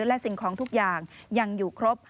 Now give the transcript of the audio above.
และสิ่งของทุกอย่างยังอยู่ครบ